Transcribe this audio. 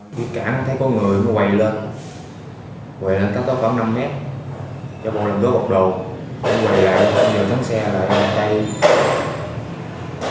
cái cảng thấy có người nó quay lên quay lên tốc tốc khoảng năm mét cho bọn đồng tướng gọc đồ quay lại đợi nhiều tháng xe đợi đặt tay